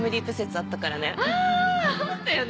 あったよね。